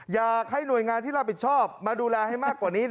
อยากให้หน่วยงานที่รับผิดชอบมาดูแลให้มากกว่านี้